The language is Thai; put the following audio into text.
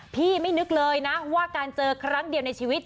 ไม่นึกเลยนะว่าการเจอครั้งเดียวในชีวิต